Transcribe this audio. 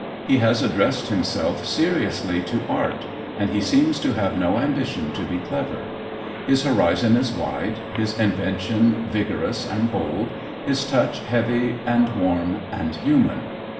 He has addressed himself seriously to art, and he seems to have no ambition to be clever. His horizon is wide, his invention vigorous and bold, his touch heavy and warm and human.